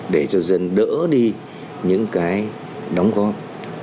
để cho dân đỡ đi những cái đóng góp